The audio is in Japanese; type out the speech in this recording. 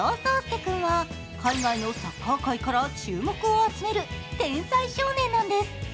君は海外のサッカー界から注目を集める天才少年なんです。